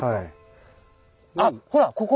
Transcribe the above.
あっほらここ！